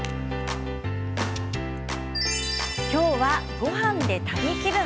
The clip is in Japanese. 今日はごはんで旅気分。